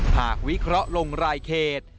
วิเคราะห์ลงรายเขต